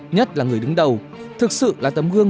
nhất là người đứng đầu thực sự là tấm gương